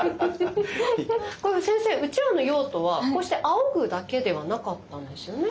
先生うちわの用途はこうしてあおぐだけではなかったんですよね？